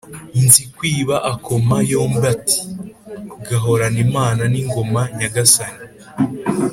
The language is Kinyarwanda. , Nzikwiba akoma yombi ati: "Gahorane Imana n' ingoma Nyagasani"